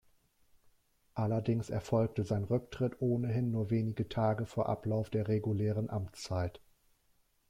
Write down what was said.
Allerdings erfolgte sein Rücktritt ohnehin nur wenige Tage vor Ablauf der regulären Amtszeit.